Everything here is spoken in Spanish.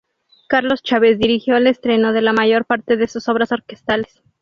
Carlos Chávez dirigió el estreno de la mayor parte de sus obras orquestales.